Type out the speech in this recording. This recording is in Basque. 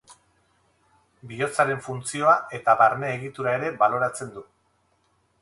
Bihotzaren funtzioa eta barne egitura ere baloratzen du.